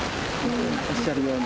おっしゃるように、